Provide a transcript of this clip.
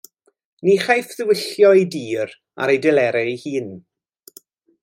Ni chaiff ddiwyllio ei dir ar ei delerau ei hun.